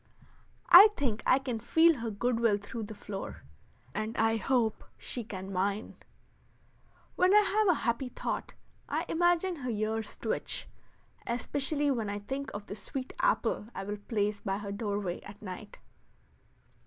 I think I can feel her good will through the floor, and I hope she can mine. When I have a happy thought I imagine her ears twitch, especially when I think of the sweet apple I will place by her doorway at night.